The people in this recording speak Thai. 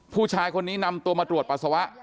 ผู้ชายคนนี้นำตัวมาตรวจปัสสาวะ